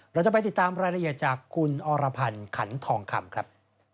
เราจะไปติดตามรายละเอียดจากคุณอรพันธ์ขันทองคำครับ